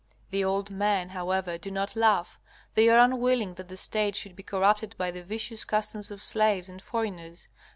The old men, however, do not laugh. They are unwilling that the State should be corrupted by the vicious customs of slaves and foreigners.